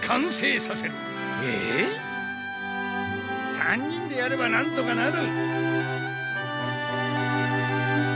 ３人でやればなんとかなる！